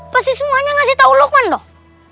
pasti semuanya ngasih tau luqman dong